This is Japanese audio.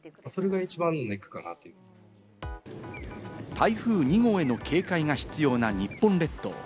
台風２号への警戒が必要な日本列島。